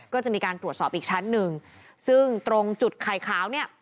ก็จะมีการตรวจสอบอีกชั้นหนึ่งซึ่งตรงจุดไข่ขาวเนี่ย